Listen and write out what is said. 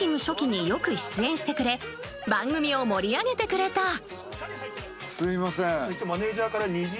初期によく出演してくれ番組を盛り上げてくれた。